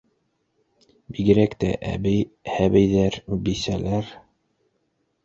Бигерәк тә әбей-һәбейҙәр, бисәләр.